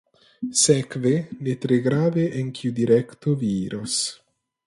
Sekve, ne tre grave en kiu direkto vi iros.